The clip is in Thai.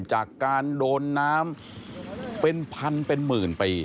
จากการโดนน้ำเป็นพันเป็นหมื่นปี